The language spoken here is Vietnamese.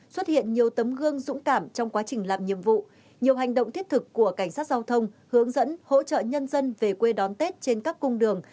xuất hiện nhiều tấm gương dũng cảm trong quá trình làm nhiệm vụ nhiều hành động thiết thực của cảnh sát giao thông hướng dẫn hỗ trợ nhân dân về quê đón tết trên các cung đường